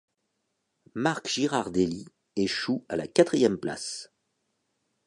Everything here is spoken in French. Marc Girardelli échoue à la quatrième place.